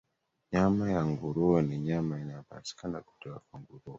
Nyama ya nguruwe ni nyama inayopatikana kutoka kwa nguruwe.